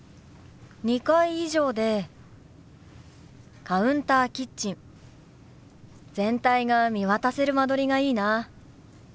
２階以上でカウンターキッチン全体が見渡せる間取りがいいな。